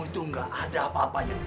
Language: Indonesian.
itu nggak ada apa apanya